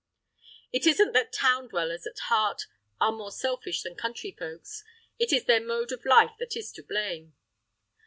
It isn't that town dwellers at heart are more selfish than country folks; it is their mode of life that is to blame.